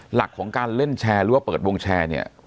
หลักของการเล่นแชร์หรือว่าเปิดวงแชร์เนี่ย